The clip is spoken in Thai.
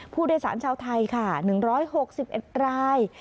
ภูตรศาสน์ชาวไทยค่ะ๑๖๐เอ็ดราย